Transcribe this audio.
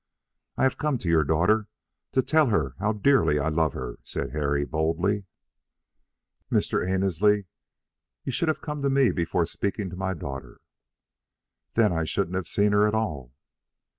"I have come to your daughter to tell her how dearly I love her," said Harry, boldly. "Mr. Annesley, you should have come to me before speaking to my daughter." "Then I shouldn't have seen her at all."